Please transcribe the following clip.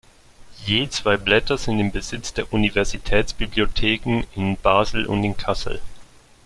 Je zwei Blätter sind im Besitz der Universitätsbibliotheken in Basel und in Kassel.